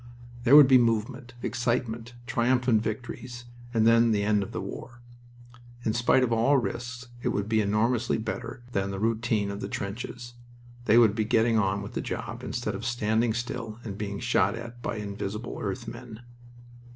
There would be movement, excitement, triumphant victories and then the end of the war. In spite of all risks it would be enormously better than the routine of the trenches. They would be getting on with the job instead of standing still and being shot at by invisible earth men.